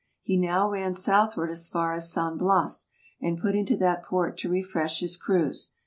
He now ran south ward as far as San Bias, and put into that port to refresh his crews.